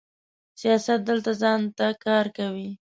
سیاست دلته ځان ته کار کوي.